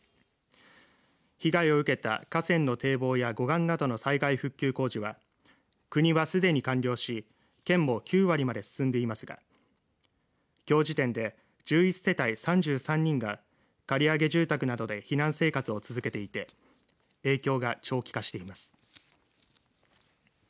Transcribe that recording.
被害を受けた河川の堤防や護岸などの災害復旧工事は国は、すでに完了し県も９割まで進んでいますがきょう時点で１１世帯３３人が借り上げ住宅などで避難生活を続けていて影響が長期化しています。